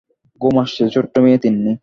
ঘুম আসছে ছোট্ট মেয়ে তিন্নি?